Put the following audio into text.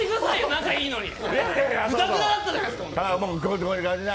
仲いいのに。